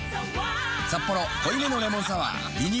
「サッポロ濃いめのレモンサワー」リニューアル